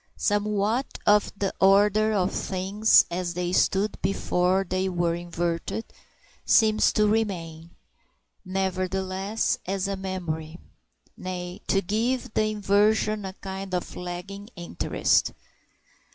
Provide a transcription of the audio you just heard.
Somewhat of the order of things as they stood before they were inverted seems to remain, nevertheless, as a memory; nay, to give the inversion a kind of lagging interest.